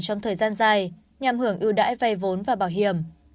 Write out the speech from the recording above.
trong thời gian dài nhằm hưởng ưu đãi vây vốn và bảo hiểm